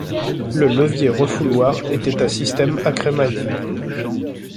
Le levier-refouloir était à système à crémaillère.